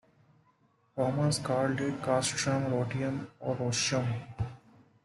Romans called it "Castrum Rotium" or "Rocium".